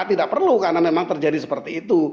tidak perlu karena memang terjadi seperti itu